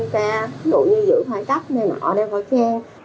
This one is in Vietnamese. ví dụ như giữ khoai cắp này nọ đeo khói khe